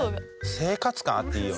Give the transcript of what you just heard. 生活感あっていいよね。